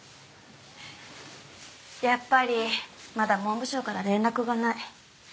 やっぱりまだ文部省から連絡がない。